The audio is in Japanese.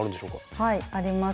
はいあります。